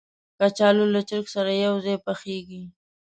کچالو له چرګ سره یو ځای پخېږي